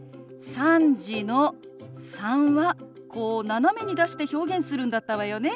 「３時」の「３」はこう斜めに出して表現するんだったわよね。